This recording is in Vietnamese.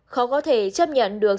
khó có thể chấp nhận được